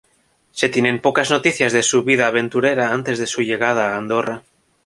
Se tienen pocas noticias de su vida aventurera antes de su llegada a Andorra.